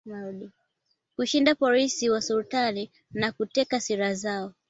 kushinda polisi wa sulutani na kuteka silaha zao